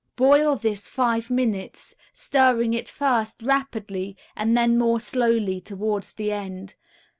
Boil this five minutes, stirring it first rapidly, and then more slowly towards the end.